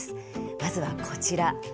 まずは、こちら。